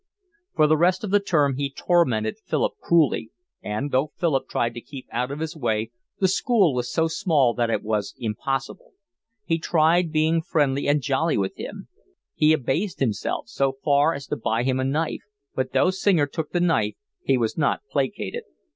For the rest of the term he tormented Philip cruelly, and, though Philip tried to keep out of his way, the school was so small that it was impossible; he tried being friendly and jolly with him; he abased himself, so far as to buy him a knife; but though Singer took the knife he was not placated.